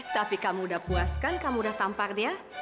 tapi kamu udah puas kan kamu udah tampar dia